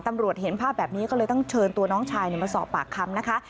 ตำรวจเห็นภาพแบบนี้ก็เลยต้องเชิญตัวน้องชายมาสอบปากคำนะคะ